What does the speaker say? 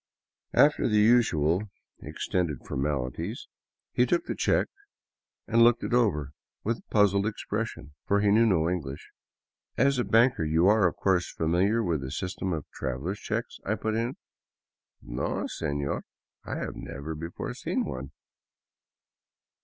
After the usual extended form 91 VAGABONDING DOWN THE ANDES alities, he took the check and looked it over with a puzzled expression, for he knew no English. " As a banker you are, of course, familiar with the system of travel er's checks ?" I put in. " No, seiior, I have never before seen one."